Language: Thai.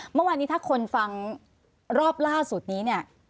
เมื่อวานนี้ถ้าคนฟังรอบล่าสุดนี้เนี่ย